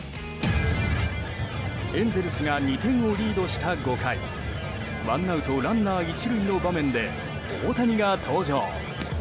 エンゼルスが２点をリードした５回ワンアウトランナー１塁の場面で大谷が登場。